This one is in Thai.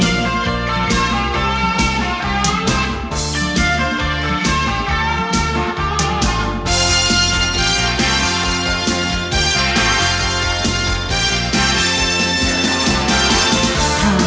ไม่ใช้